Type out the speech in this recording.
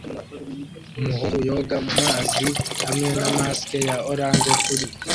Umuhungu yoga mu mazi hamwe na mask ya orange kuri